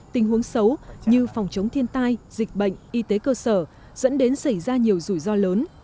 tình huống xấu như phòng chống thiên tai dịch bệnh y tế cơ sở dẫn đến xảy ra nhiều rủi ro lớn